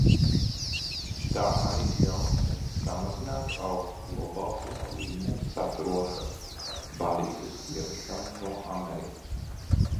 Tā arī ļautu mums samazināt augstu olbaltuma līmeni saturošas barības ievešanu no Amerikas.